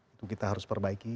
itu kita harus perbaiki